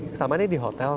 selama ini di hotel